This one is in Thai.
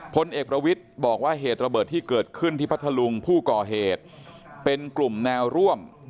พลเอกประวิทย์บอกว่าเหตุระเบิดที่เกิดขึ้นที่พัทธลุงผู้ก่อเหตุเป็นกลุ่มแนวร่วม